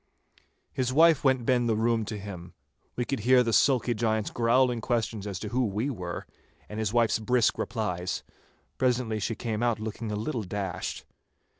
His wife went ben the room to him. We could hear the sulky giant's growling questions as to who we were, and his wife's brisk replies. Presently she came out looking a little dashed.